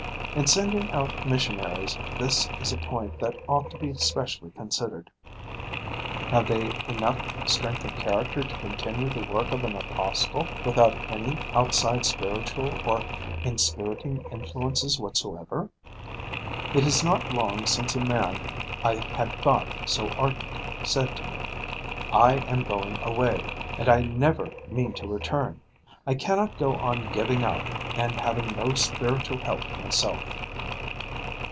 In sending out missionaries, this is a point that ought to be specially considered: Have they enough strength of character to continue the work of an apostle without any outside spiritual or inspiriting influences whatsoever? It is not long since a man I had thought so ardent said to me: "I am going away; and I never mean to return. I cannot go on giving out, and having no spiritual help myself."